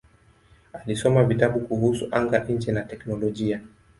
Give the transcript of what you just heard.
Alisoma vitabu kuhusu anga-nje na teknolojia.